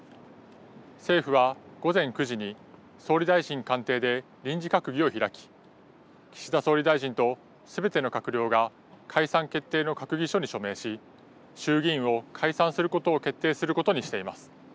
政府は午前９時に総理大臣官邸で臨時閣議を開き、岸田総理大臣とすべての閣僚が解散決定の閣議書に署名し、衆議院を解散することを決定することにしています。